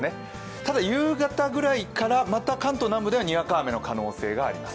ただ、夕方ぐらいからまた関東南部ではにわか雨の可能性があります。